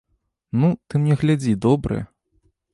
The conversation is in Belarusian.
Ну, ты мне глядзі, добрыя.